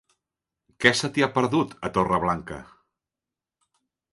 Què se t'hi ha perdut, a Torreblanca?